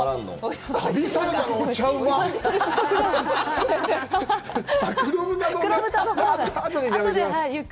旅サラダのお茶、うまっ！